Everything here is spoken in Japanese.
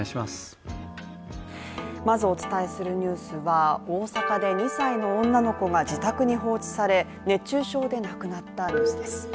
まずお伝えするニュースは大阪で２歳の女の子が自宅に放置され、熱中症で亡くなったニュースです。